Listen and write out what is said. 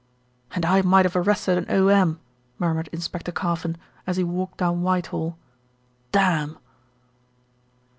"And I might have arrested an O.M.," murmured Inspector Carfon, as he walked down Whitehall. "Damn."